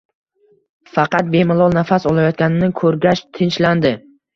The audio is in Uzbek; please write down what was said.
Faqat bemalol nafas olayotganini ko'rgach tinchlandi.